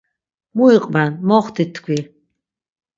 Mu iqven moxti tkvi.